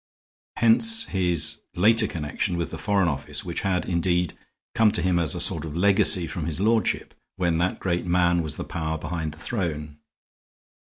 Hence his later connection with the Foreign Office, which had, indeed, come to him as a sort of legacy from his lordship when that great man was the power behind the throne.